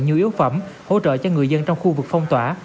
nhiều yếu phẩm hỗ trợ cho người dân trong khu vực phong tỏa